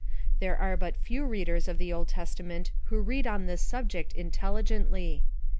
1 here are but few readers of the Old Testament who read on this subject intelligently.